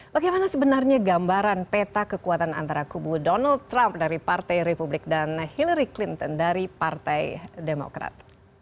bagaimana sebenarnya gambaran peta kekuatan antara kubu donald trump dari partai republik dan hillary clinton dari partai demokrat